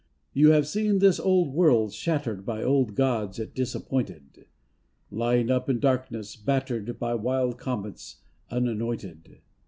You have seen this old world shattered By old gods it disappointed, Lying up in darkness, battered By wild comets, unanointed.